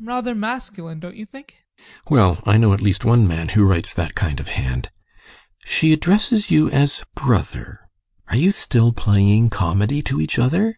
ADOLPH. Rather masculine, don't you think? GUSTAV. Well, I know at least ONE man who writes that kind of hand She addresses you as "brother." Are you still playing comedy to each other?